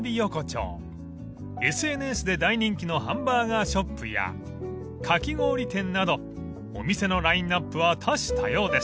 ［ＳＮＳで大人気のハンバーガーショップやかき氷店などお店のラインアップは多種多様です］